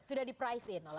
sudah di price in oleh